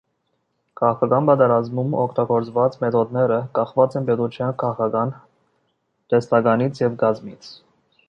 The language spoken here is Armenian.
Քաղաքական պատերազմում օգտագործված մեթոդները կախված են պետության քաղաքական տեսլականից և կազմից։